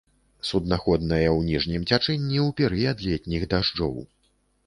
Суднаходная ў ніжнім цячэнні ў перыяд летніх дажджоў.